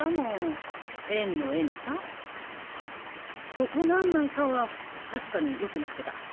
ここ何枚かは確かによくなってた。